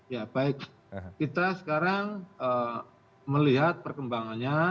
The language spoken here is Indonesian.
ya baik kita sekarang melihat perkembangannya